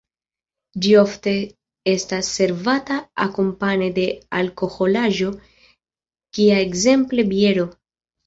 Ĝi ofte estas servata akompane de alkoholaĵo kia ekzemple biero.